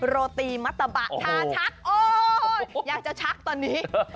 โรตีมัตตะบะชาชักโอ๊ยอยากจะชักตอนนี้